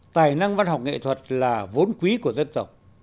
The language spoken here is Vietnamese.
tài năng văn học nghệ thuật là vốn quý của dân tộc